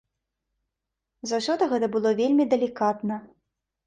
Заўсёды гэта было вельмі далікатна.